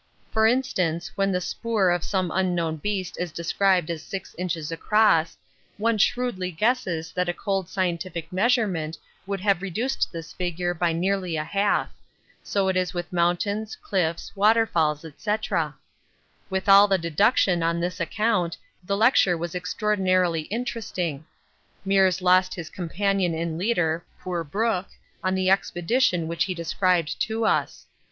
For instance, when the spoor of some unknown beast is described as 6 inches across, one shrewdly guesses that a cold scientific measurement would have reduced this figure by nearly a half; so it is with mountains, cliffs, waterfalls, &c. With all deduction on this account the lecture was extraordinarily interesting. Meares lost his companion and leader, poor Brook, on the expedition which he described to us.